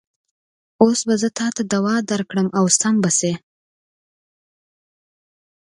اوس به زه تاته دوا درکړم او سم به شې.